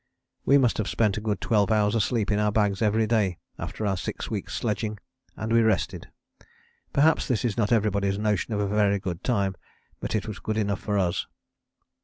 We must have spent a good twelve hours asleep in our bags every day after our six weeks' sledging. And we rested. Perhaps this is not everybody's notion of a very good time, but it was good enough for us.